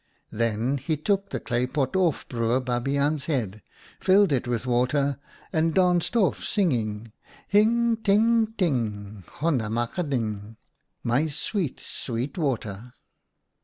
Then he took the clay pot off Broer Babiaan's head, filled it with water, and danced off, singing : 1 Hing ting ting ! Honna mak a ding ! My sweet, sweet water